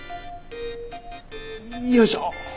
よいしょ。